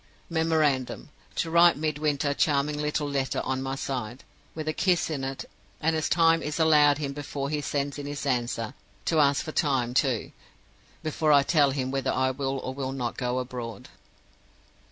(Memorandum: To write Midwinter a charming little letter on my side, with a kiss in it; and as time is allowed him before he sends in his answer, to ask for time, too, before I tell him whether I will or will not go abroad.)"